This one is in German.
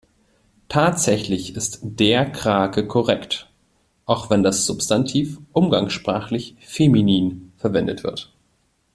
Tatsächlich ist der Krake korrekt, auch wenn das Substantiv umgangssprachlich feminin verwendet wird.